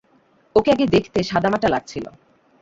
ওকে আগে দেখতে সাদামাটা লাগছিল।